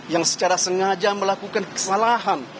yang secara sengaja melakukan kesalahan